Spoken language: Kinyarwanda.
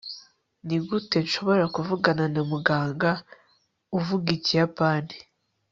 nigute nshobora kuvugana na muganga uvuga ikiyapani